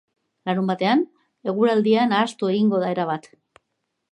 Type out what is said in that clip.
Larunbatean, eguraldia nahastu egingo da erabat.